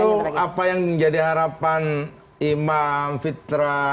ya tentu apa yang menjadi harapan imam fitra